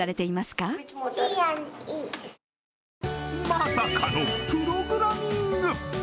まさかのプログラミング。